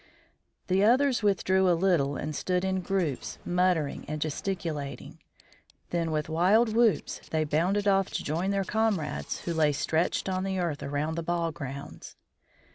The others withdrew a little and stood in groups, muttering and gesticulating. Then with wild whoops they bounded off to join their comrades who lay stretched on the earth around the ball grounds.